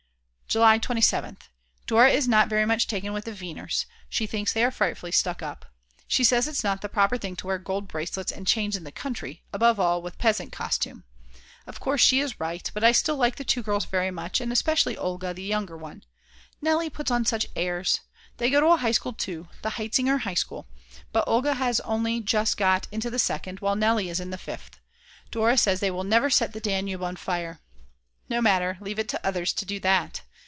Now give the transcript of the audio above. July 27th. Dora is not very much taken with the Weiners; she thinks they are frightfully stuck up. She says it's not the proper thing to wear gold bracelets and chains in the country, above all with peasant costume. Of course she is right, but still I like the two girls very much, and especially Olga, the younger one; Nelly puts on such airs; they go to a high school too, the Hietzinger High School; but Olga has only just got into the Second while Nelly is in the Fifth. Dora says they will never set the Danube on fire. No matter, leave it to others to do that.